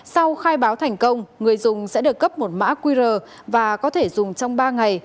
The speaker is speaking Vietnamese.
sau khai báo thành công người dùng sẽ được cấp một mã qr và có thể dùng trong ba ngày